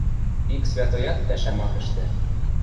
Ик «святоят» пӓшӓм ак ӹштӹ.